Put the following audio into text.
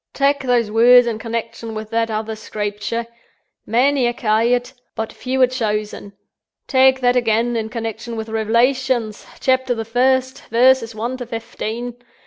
"Tak' those words in connection with that other Screepture: Many are ca'ad, but few are chosen. Tak' that again, in connection with Rev'lations, Chapter the First, verses One to Fefteen.